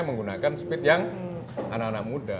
menggunakan speed yang anak anak muda